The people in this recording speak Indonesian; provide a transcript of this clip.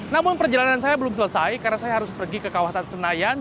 namun perjalanan saya belum selesai karena saya harus pergi ke kawasan senayan